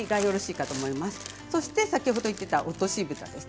先ほど言っていた落としぶたです。